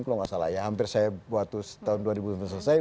kalau tidak salah ya hampir saya waktu tahun dua ribu selesai